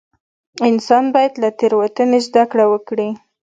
انسان باید له تېروتنې زده کړه وکړي.